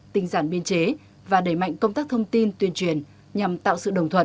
tinh giản biên chế và đẩy mạnh công tác thông tin tuyên truyền nhằm tạo sự đồng thuận